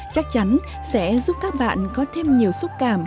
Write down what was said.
chắc chắn sẽ giúp các bạn có thêm nhiều xúc cảm